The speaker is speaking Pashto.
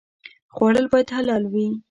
خوړل باید حلال وي